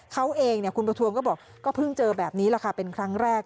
เขาเองคุณประทวนก็บอกก็เพิ่งเจอแบบนี้แหละค่ะเป็นครั้งแรก